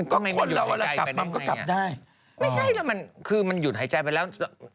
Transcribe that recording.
ก็คนเราก็กลับได้ไม่ใช่แล้วมันคือมันหยุดหายใจไปแล้ว